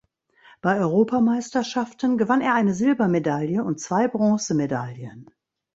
Bei Europameisterschaften gewann er eine Silbermedaille und zwei Bronzemedaillen.